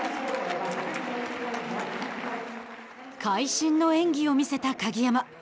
会心の演技を見せた鍵山。